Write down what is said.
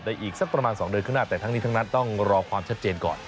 อีกสักประมาณ๒เดือนข้างหน้าแต่ทั้งนี้ทั้งนั้นต้องรอความชัดเจนก่อน